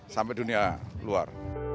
sampai dunia luar